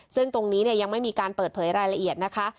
ซึ่งตรงนี้ยังไม่มีการเปิดเผยรายละเอียดนะคะ